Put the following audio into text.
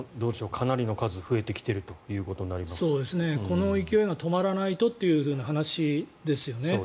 かなりの数増えてきているということにこの勢いが止まらないとという話ですよね。